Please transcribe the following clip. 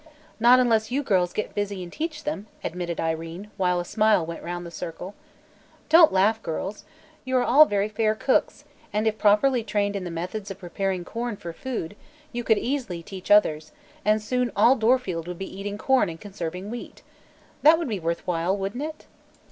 "Not unless you girls get busy and teach them," admitted Irene, while a smile went round the circle. "Don't laugh, girls. You are all very fair cooks, and if properly trained in the methods of preparing corn for food, you could easily teach others, and soon all Dorfield would be eating corn and conserving wheat. That would be worth while, wouldn't it?"